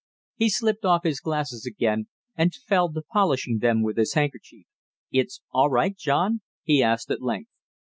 He slipped off his glasses again and fell to polishing them with his handkerchief. "It's all right, John?" he asked at length.